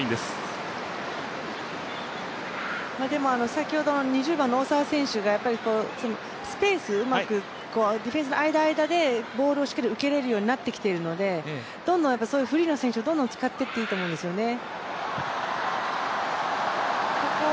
先ほどの２０番の大澤選手がスペースをうまく、ディフェンスの間、間でボールをしっかり受けられるようになっているので、そういうフリーの選手をどんどん使っていっていいと思うんですよね。